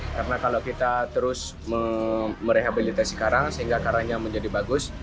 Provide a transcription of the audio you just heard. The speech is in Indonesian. karena kalau kita terus merehabilitasi karang sehingga karangnya menjadi bagus